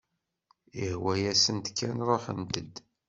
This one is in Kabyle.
Ihwa-yasent kan ruḥent-d.